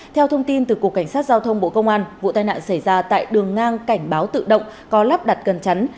theo thông tin từ cục cảnh sát giao thông bộ công an vụ tai nạn xảy ra tại đường ngang cảnh báo tự động có lắp đặt cần chắn